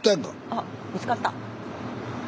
あ見つかった。